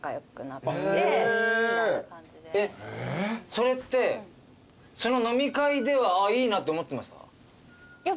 それってその飲み会ではいいなって思ってました？